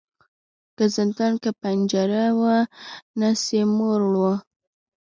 که زندان که پنجره وه نس یې موړ وو